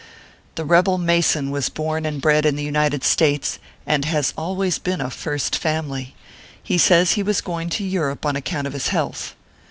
The rebel Mason was born and bred in the United States, and has always been a First Family. He says he was going to Europe on account of his health.